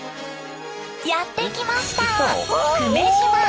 やって来ました久米島。